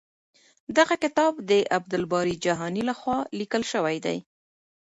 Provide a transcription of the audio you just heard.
دغه کتاب د عبدالباري جهاني لخوا لیکل شوی دی.